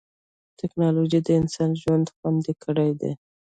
ټکنالوجي د انسان ژوند خوندي کړی دی.